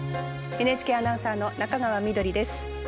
ＮＨＫアナウンサーの中川緑です。